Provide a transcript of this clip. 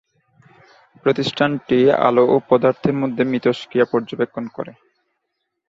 প্রতিষ্ঠানটি আলো ও পদার্থের মধ্যে মিথষ্ক্রিয়া পর্যবেক্ষণ করে।